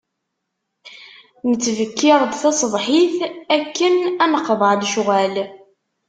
Nettbekkir-d tasebḥit, akken ad neqḍeɛ lecɣal.